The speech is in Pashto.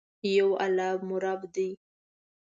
یو الله مو رب دي.